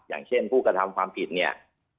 อย่างเช่นผู้กระทำความผิดเนี่ย